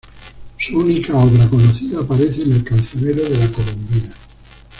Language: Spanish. Su única obra conocida aparece en el Cancionero de la Colombina.